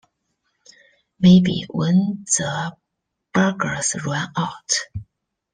Maybe when the burgers run out.